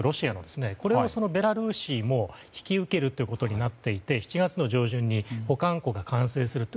これをベラルーシも引き受けることになっていて７月の上旬に保管庫が完成すると。